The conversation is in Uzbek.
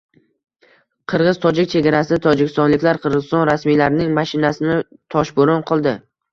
Qirg‘iz-tojik chegarasida tojikistonliklar Qirg‘iziston rasmiylarining mashinasini toshbo‘ron qildi